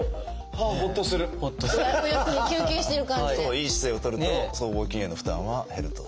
いい姿勢をとると僧帽筋への負担は減ると。